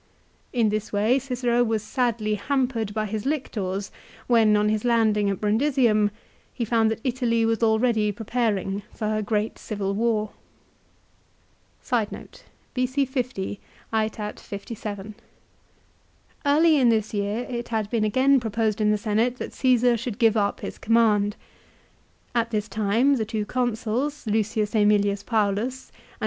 In this way Cicero was sadly hampered by his lictors when on his landing at Brundisium he found that Italy was already preparing for her great civil war. Early in this year it had been again proposed in the Senate B c. 50 ^ iat Caesar should give up his command. At this aetat. 57. time the two c onsu i s L ^Emilius Paulus and C.